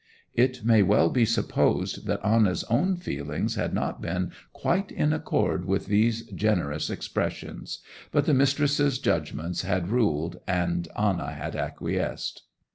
It may well be supposed that Anna's own feelings had not been quite in accord with these generous expressions; but the mistress's judgment had ruled, and Anna had acquiesced.